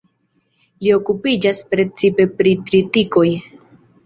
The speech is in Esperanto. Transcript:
Li okupiĝas precipe pri tritikoj.